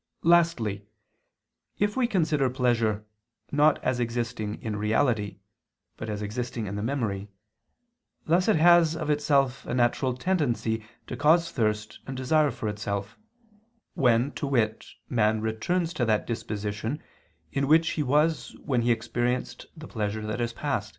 Lastly, if we consider pleasure, not as existing in reality, but as existing in the memory, thus it has of itself a natural tendency to cause thirst and desire for itself: when, to wit, man returns to that disposition, in which he was when he experienced the pleasure that is past.